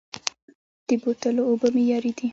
د بوتلو اوبه معیاري دي؟